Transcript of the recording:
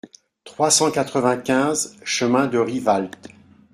trois cent quatre-vingt-quinze chemin de Rivaltes